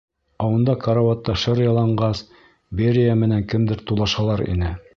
Ә унда карауатта шыр яланғас Берия менән кемдер тулашалар ине.